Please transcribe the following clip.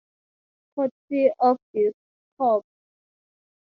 Courtesy of Discogs.